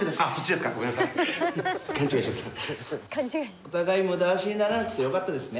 お互い無駄足にならなくてよかったですね。